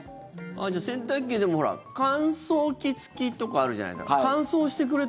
じゃあ、洗濯機でも乾燥機付きとかあるじゃないですか。